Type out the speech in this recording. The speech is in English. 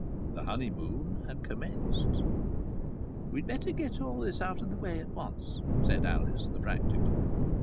The honeymoon had commenced. "We'd better get this out of the way at once," said Alice the practical.